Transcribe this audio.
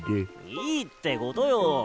いいってことよ！